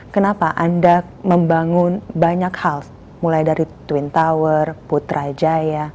kenapa anda membangun banyak hal mulai dari twin tower putrajaya